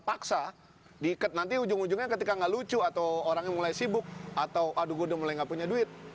paksa diikat nanti ujung ujungnya ketika gak lucu atau orangnya mulai sibuk atau aduh gue udah mulai nggak punya duit